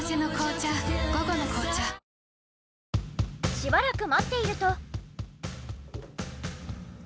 しばらく待っていると。